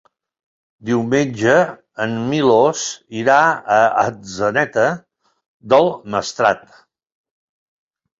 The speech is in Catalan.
Diumenge en Milos irà a Atzeneta del Maestrat.